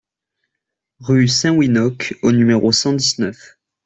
Rue Saint-Winocq au numéro cent dix-neuf